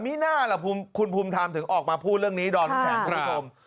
มีน่าล่ะคุณภูมิธรรมถึงออกมาพูดเรื่องนี้ดอมแข็งคุณผู้ชม